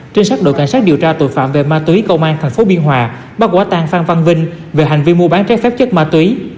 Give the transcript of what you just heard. trinh sát đội cảnh sát điều tra tội phạm về ma túy công an tp biên hòa bắt quả tan phan văn vinh về hành vi mua bán trái phép chất ma túy